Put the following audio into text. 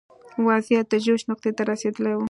وضعیت د جوش نقطې ته رسېدلی و.